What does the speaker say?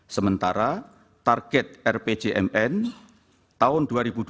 sementara target rpjmn tahun dua ribu dua puluh dua ribu dua puluh empat